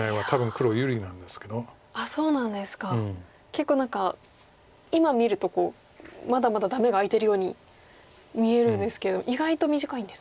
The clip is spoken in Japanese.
結構何か今見るとまだまだダメが空いてるように見えるんですけど意外と短いんですね。